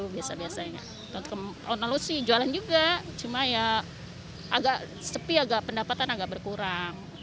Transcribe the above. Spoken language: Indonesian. biasanya tahun lalu sih jualan juga cuma ya agak sepi agak pendapatan agak berkurang